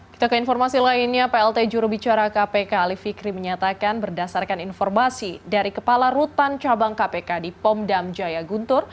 kita ke informasi lainnya plt jurubicara kpk ali fikri menyatakan berdasarkan informasi dari kepala rutan cabang kpk di pom dam jaya guntur